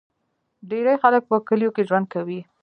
ډیری خلک په کلیو کې ژوند کوي.